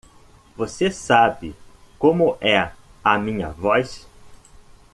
Você sabe como é a minha voz?